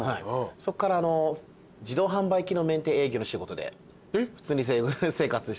そっから自動販売機のメンテ営業の仕事で普通に生活して。